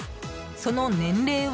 その年齢は？